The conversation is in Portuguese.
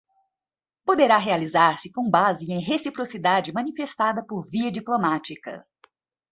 poderá realizar-se com base em reciprocidade, manifestada por via diplomática.